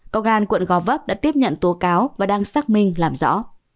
công an quận gò vấp đã tiếp nhận tố cáo và đang xác minh làm rõ